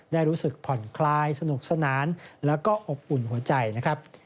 ได้รู้สึกผ่อนคลายสนุกสนานแล้วก็อบอุ่นหัวใจนะครับ